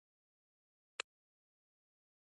د ژوند په وروستیو شېبو کې یاورسکي ته وویل.